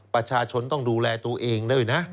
ประชาชนต้องดูแลตัวเองด้วยนะ